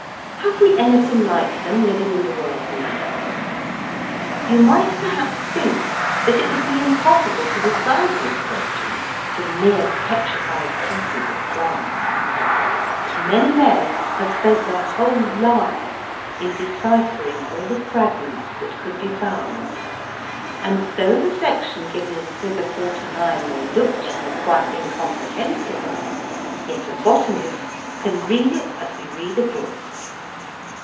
Have we anything like them living in the world now? You might perhaps think that it would be impossible to decide this question from mere petrified pieces of plants. But many men have spent their whole lives in deciphering all the fragments that could be found, and though the section given in Fig. 49 may look to you quite incomprehensible, yet a botanist can reed it as we read a book.